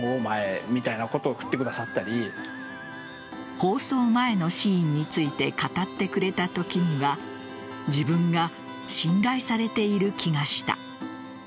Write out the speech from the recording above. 放送前のシーンについて語ってくれたときには自分が信頼されている気がした。